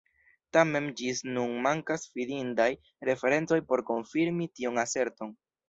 Tamen ĝis nun mankas fidindaj referencoj por konfirmi tiun aserton.